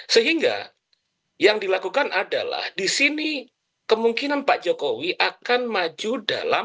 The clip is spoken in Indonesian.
sehingga yang dilakukan adalah di sini kemungkinan pak jokowi akan maju dalam